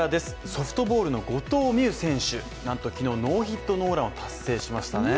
ソフトボールの後藤希友選手、なんと昨日ノーヒットノーランを達成しましたね